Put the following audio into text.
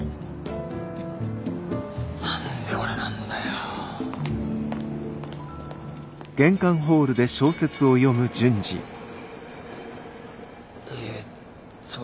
何で俺なんだよ。えっと。